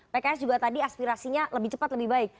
pks juga tadi aspirasinya lebih cepat lebih baik